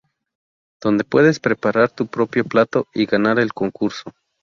Donde puedes preparar tu Propio "plato" y ganar el concurso.